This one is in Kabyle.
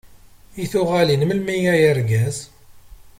I tuɣalin melmi ay argaz?